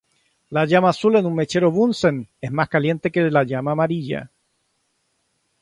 La llama azul en un mechero Bunsen es más caliente que la llama amarilla.